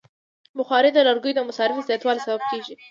بخاري د لرګیو د مصرف زیاتوالی سبب کېږي.